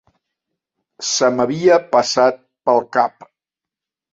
Se m'havia passat pel cap.